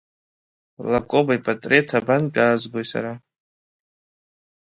Лакоба ипатреҭ абантәиаазгои сара?